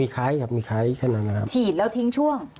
ฉีดแล้วทิ้งช่วง